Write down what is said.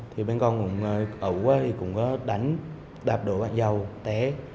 thì bên con cũng ẩu quá thì cũng đánh đạp đổ bạn giàu té